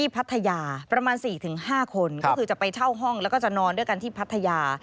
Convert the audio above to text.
พัทยาประมาณ๔๕คนก็คือจะไปเช่าห้องแล้วก็จะนอนด้วยกันที่พัทยา